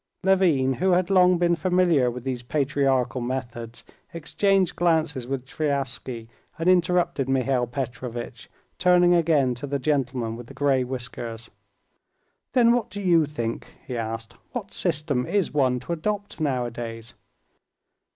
Levin, who had long been familiar with these patriarchal methods, exchanged glances with Sviazhsky and interrupted Mihail Petrovitch, turning again to the gentleman with the gray whiskers. "Then what do you think?" he asked; "what system is one to adopt nowadays?"